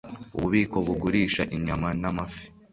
ububiko bugurisha inyama n amafi